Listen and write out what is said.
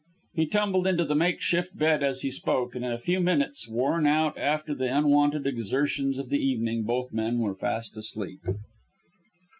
He tumbled into the makeshift bed as he spoke; and in a few minutes, worn out after the unwonted exertions of the evening, both men were fast asleep.